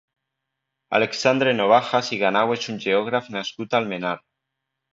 Alexandre Nobajas i Ganau és un geògraf nascut a Almenar.